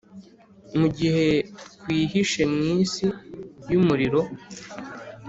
mugihe twihishe mu isi yumuriro